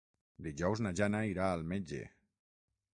Dijous na Jana irà al metge.